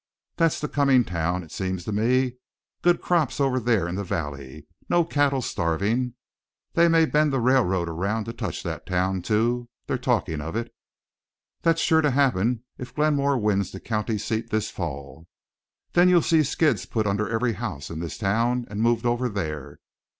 That's the comin' town, it seems to me; good crops over there in the valley, no cattle starvin'. They may bend the railroad around to touch that town, too they're talkin' of it. That's sure to happen if Glenmore wins the county seat this fall. Then you'll see skids put under every house in this town and moved over there.